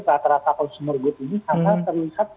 rata rata consumer good ini karena terlihat